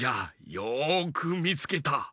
よくみつけた。